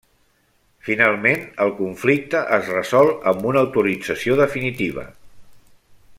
Finalment, el conflicte es resol amb una autorització definitiva.